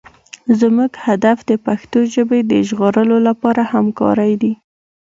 زموږ هدف د پښتو ژبې د ژغورلو لپاره همکارۍ دي.